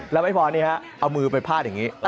แล้วไม่พอนี่ฮะเอามือไปพาดอย่างนี้